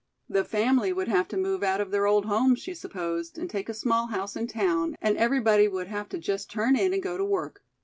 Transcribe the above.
The family would have to move out of their old home, she supposed, and take a small house in town, and everybody would have to just turn in and go to work.